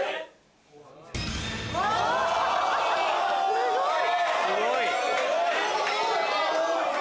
すごい！